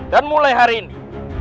dan mulai hari ini